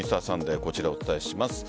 こちら、お伝えします。